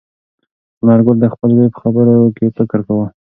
ثمر ګل د خپل زوی په خبرو کې فکر کاوه.